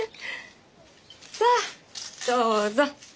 さあどうぞ。